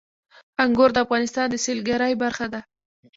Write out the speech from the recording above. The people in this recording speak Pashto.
انګور د افغانستان د سیلګرۍ برخه ده.